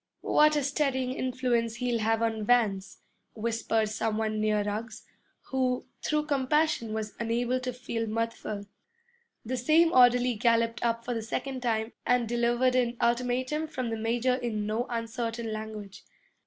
'What a steadying influence he'll have on Vance!' whispered some one near Ruggs, who, through compassion, was unable to feel mirthful. The same orderly galloped up for the second time and delivered an ultimatum from the major in no uncertain language.